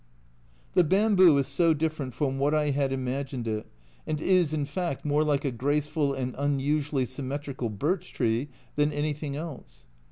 The bamboo is so different from what I had imagined it, and is, in fact, more like a graceful and unusually symmetrical birch tree than anything else